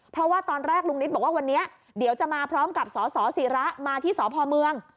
เพราะว่าตอนแรกลุงนิตบอกว่าวันนี้เดี๋ยวจะมาพร้อมกับสสิระมาที่สพเมือง